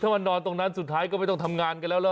ถ้ามันนอนตรงนั้นสุดท้ายก็ไม่ต้องทำงานกันแล้วล่ะ